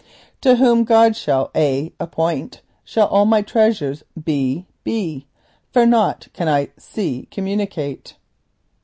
To whom God shall appoint shall all my treasure be, for t a b nought can I communicate.